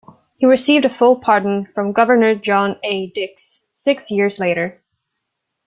He received a full pardon from Governor John A. Dix six years later.